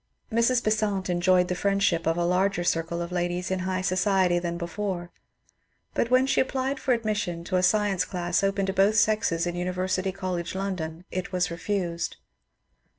Mrs. Besant enjoyed the friendship of a larger circle of ladies in high society than before, but when she applied for admis sion to a science class open to both sexes in Uniyersity Col lege, London, it was refused.